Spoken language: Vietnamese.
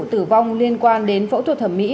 tử vong liên quan đến phẫu thuật thẩm mỹ